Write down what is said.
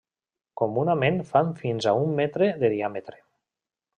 Comunament fan fins a un metre de diàmetre.